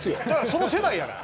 その世代だから。